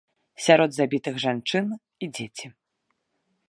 Сярод забітых жанчыны і дзеці.